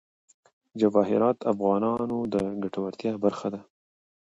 جواهرات د افغانانو د ګټورتیا برخه ده.